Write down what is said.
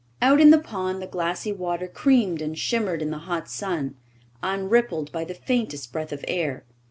Out in the pond the glassy water creamed and shimmered in the hot sun, unrippled by the faintest breath of air.